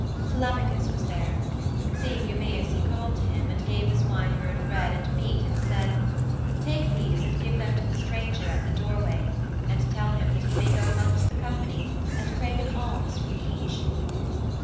Telemachus was there. Seeing Eumæus he called to him and gave the swineherd bread and meat, and said, 'Take these, and give them to the stranger at the doorway, and tell him that he may go amongst the company and crave an alms from each.'